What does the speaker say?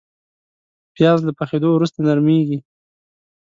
پیاز له پخېدو وروسته نرمېږي